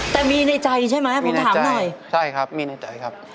แต่มีในใจใช่ไหมผมถามหน่อยใช่ครับมีในใจครับ